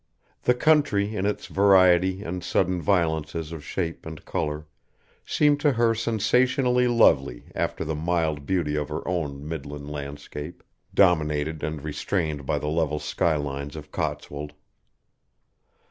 The country in its variety and sudden violences of shape and colour seemed to her sensationally lovely after the mild beauty of her own midland landscape, dominated and restrained by the level skylines of Cotswold.